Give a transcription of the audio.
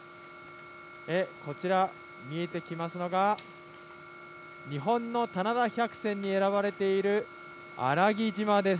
こちら、見えてきますのが日本の棚田百選に選ばれているあらぎ島です。